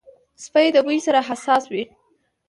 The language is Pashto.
سپي د بوی سره حساس وي.